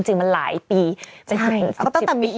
จริงมันหลายปีเป็น๑๐ปีเป็น๑๐ปี